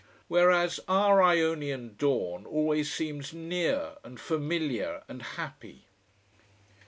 Whereas our Ionian dawn always seems near and familiar and happy.